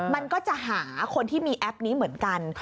มันก็จะหาคนที่มีแอปนี้เหมือนกัน